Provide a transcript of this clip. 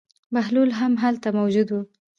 بهلول هم هلته موجود و.